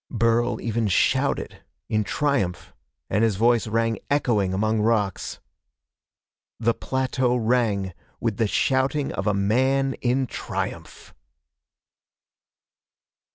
Burl even shouted, in triumph, and his voice rang echoing among rocks. The plateau rang with the shouting of a man in triumph!